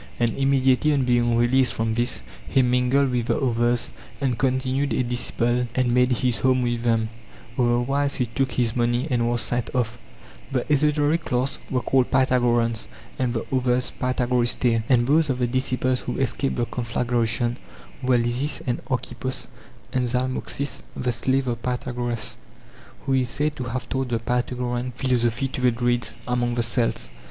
And immediately on being released from this he mingled with the others and con tinued a disciple and made his home with them; other wise he took his money and was sent off. The esotéric class were called Pythagoreans, and the others Pytha goristae. And those of the disciples who escaped the conflagration were Lysis and Archippos and Zalmoxis the slave of Pythagoras, who is said to have taught the Pythagorean philosophy to the Druids among the Celts.!